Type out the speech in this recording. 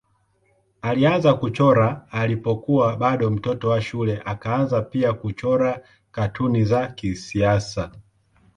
Alianza kuchora alipokuwa bado mtoto wa shule akaanza pia kuchora katuni za kisiasa.